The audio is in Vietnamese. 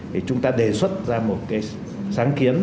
thì chúng ta đề xuất ra một cái sáng kiến